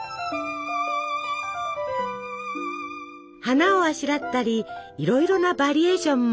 花をあしらったりいろいろなバリエーションも。